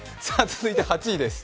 続いて８位です。